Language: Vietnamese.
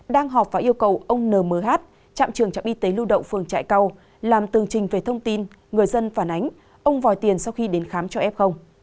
đang họp và yêu cầu ông n m h làm tương trình về thông tin người dân phản ánh ông vòi tiền sau khi đến khám cho f